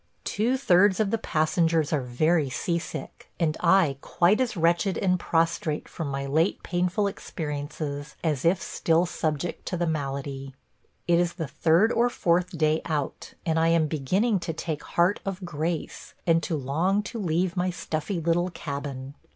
Two thirds of the passengers are very seasick, and I quite as wretched and prostrate from my late painful experiences as if still subject to the malady. It is the third or fourth day out, and I am beginning to take heart of grace and to long to leave my stuffy little cabin.